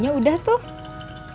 saya sudah gak ada di sana